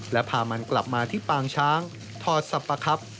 และพามันกลับมาที่ปางช้างถอดสับปะครับ